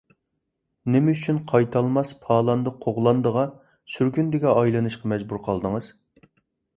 نېمە ئۈچۈن قايتالماس پالاندى - قوغلاندىغا، سۈرگۈندىگە ئايلىنىشقا مەجبۇر قالدىڭىز؟